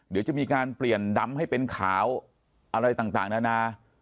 เดี๋ยวจะมีการเปลี่ยนดำให้เป็นขาวอะไรต่างนานา